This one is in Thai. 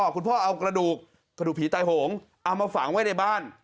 คุณพ่อเอากระดูกกระดูกผีตายโหงเอามาฝังไว้ในบ้าน